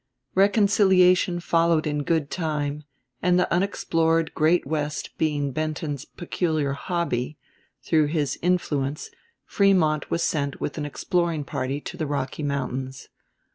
Reconciliation followed in good time; and the unexplored Great West being Benton's peculiar hobby, through his influence Frémont was sent with an exploring party to the Rocky Mountains.